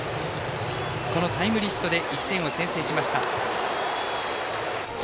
このタイムリーヒットで１点を先制しました。